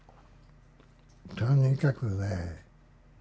とにかくね